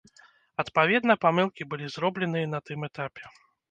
Адпаведна, памылкі былі зробленыя на тым этапе.